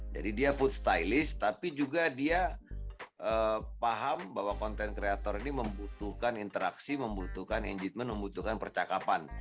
jadi dia food stylist tapi juga dia paham bahwa content creator ini membutuhkan interaksi membutuhkan engine membutuhkan percakapan